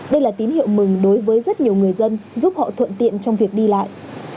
đây là tín hiệu mừng đối với rất nhiều người dân giúp họ thuận tiện trong việc đi lại